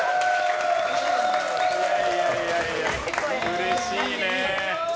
うれしいね。